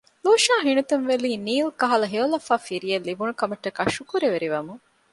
ލޫޝާ ހިނިތުންވެލީ ނީލް ކަހަލަ ހެޔޮލަފާ ފިރިއެއް ލިބުނުކަމަށްޓަކައި ޝުކުރުވެރިވަމުން